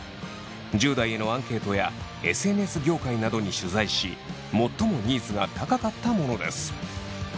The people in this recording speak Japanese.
１０代へのアンケートやＳＮＳ業界などに取材し最もニーズが高かったものです。